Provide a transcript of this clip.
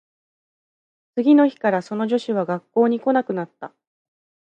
次の日からその女子は学校に来なくなった